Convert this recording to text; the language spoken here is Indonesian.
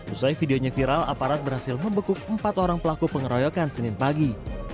usai videonya viral aparat berhasil membekuk empat orang pelaku pengeroyokan senin pagi